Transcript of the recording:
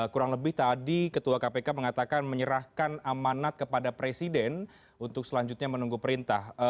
kurang lebih tadi ketua kpk mengatakan menyerahkan amanat kepada presiden untuk selanjutnya menunggu perintah